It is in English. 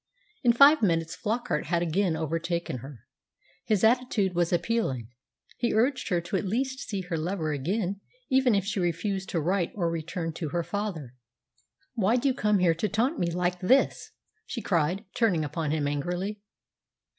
In five minutes Flockart had again overtaken her. His attitude was appealing. He urged her to at least see her lover again even if she refused to write or return to her father. "Why do you come here to taunt me like this?" she cried, turning upon him angrily.